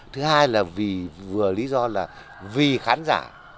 thứ hai là vì khán giả